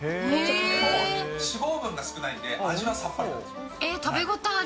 でも脂肪分が少ないので、味がさっぱり。